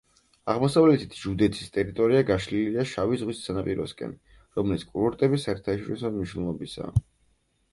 აღმოსავლეთით ჟუდეცის ტერიტორია გაშლილია შავი ზღვის სანაპიროსკენ, რომლის კურორტები საერთაშორისო მნიშვნელობისაა.